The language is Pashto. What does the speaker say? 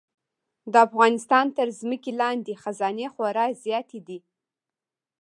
د افغانستان تر ځمکې لاندې خزانې خورا زیاتې دي.